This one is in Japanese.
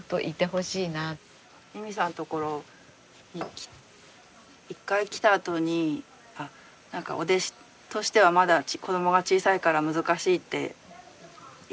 ユミさんの所に一回来たあとに何かお弟子としてはまだ子どもが小さいから難しいって言ってくれてて。